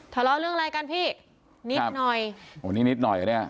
ทะเลาะเรื่องอะไรกันพี่นิดหน่อยโอ้นี่นิดหน่อยเนี้ย